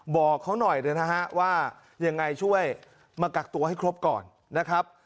บอกเขาหน่อยนะฮะว่ายังไงช่วยมากักตัวให้ครบก่อนนะครับ